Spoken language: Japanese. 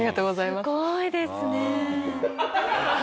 「すごーいですね」。